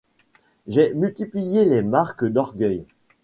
J’ai multiplié les marques d’orgueil.